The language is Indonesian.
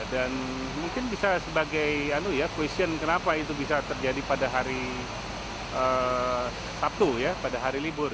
dan mungkin bisa sebagai question kenapa itu bisa terjadi pada hari sabtu ya pada hari libur